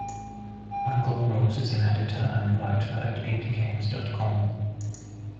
Michael Rose is an editor and writer at IndieGames dot com.